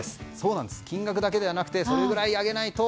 金額だけじゃなくてそれぐらいあげないと。